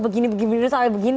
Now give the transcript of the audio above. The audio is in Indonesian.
begini begini sampai begini